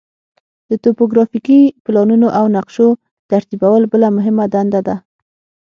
د توپوګرافیکي پلانونو او نقشو ترتیبول بله مهمه دنده ده